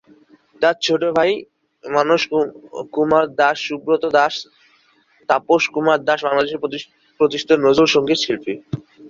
তার ছোট ভাই, মানস কুমার দাশ সুব্রত দাশ, তাপস কুমার দাশ বাংলাদেশে প্রতিষ্ঠিত নজরুল সংগীত শিল্পী।